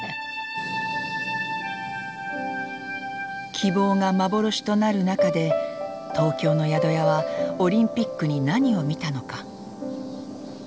希望が幻となる中で東京の宿屋はオリンピックに何を見たのか。